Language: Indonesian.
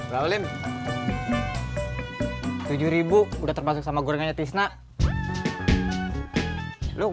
raulin tujuh udah terpasang sama gorengannya tisnak lu mana pulang